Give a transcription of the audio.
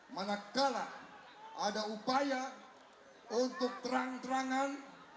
manakala ada upaya untuk terang terangan